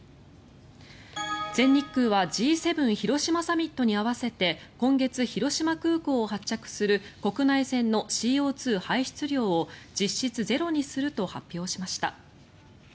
全日空はＧ７広島サミットに合わせて今月、広島空港を発着する国内線のＣＯ２排出量を実質ゼロにすると発表しました。